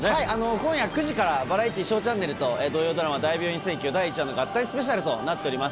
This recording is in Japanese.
今夜９時から、バラエティー、ＳＨＯＷチャンネルと土曜ドラマ、大病院占拠第１話の合体スペシャルとなっております。